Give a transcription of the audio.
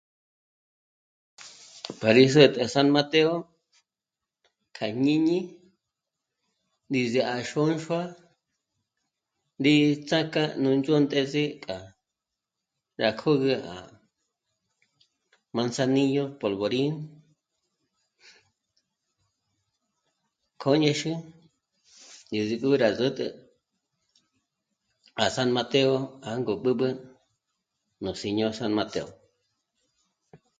Pa rí s'ä́tü à San Mateo kja jñíñi ndízi à Xônxua rí ts'ák'a nú dyõ̀tezi k'a rá k'ǜgü à Manzanillo Polvorín, k'ó ñé xí ndízi k'o rá s'ä́tü à San Mateo jângo b'ǚb'ü nú sí'ño San Mateo